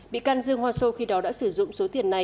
bị can dương hoa sô khi đó đã sử dụng số tiền này